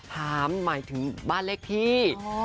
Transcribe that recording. ถามหมายถึงบ้านเลขที่